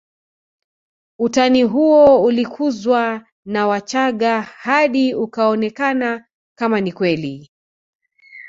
Utani huo ulikuzwa na wachaga hadi ukaonekana kama ni kweli